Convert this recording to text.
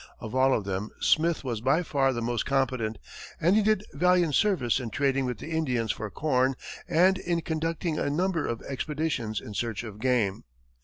Of all of them, Smith was by far the most competent, and he did valiant service in trading with the Indians for corn and in conducting a number of expeditions in search of game.